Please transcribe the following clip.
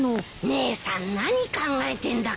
姉さん何考えてんだか。